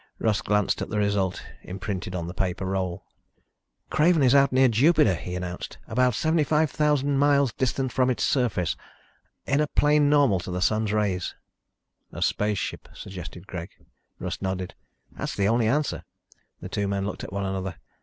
Russ glanced at the result imprinted on the paper roll. "Craven is out near Jupiter," he announced. "About 75,000 miles distant from its surface, in a plane normal to the Sun's rays." "A spaceship," suggested Greg. Russ nodded. "That's the only answer." The two men looked at one another.